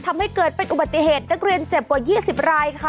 ทำให้เกิดเป็นอุบัติเหตุนักเรียนเจ็บกว่า๒๐รายค่ะ